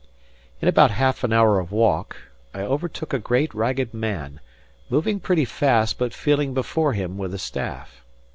In about half an hour of walk, I overtook a great, ragged man, moving pretty fast but feeling before him with a staff.